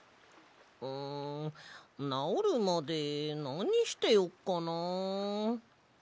んなおるまでなにしてよっかな。